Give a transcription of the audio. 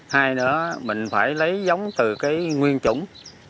hai nữa mình phải lấy giống từ cái nguyên chủng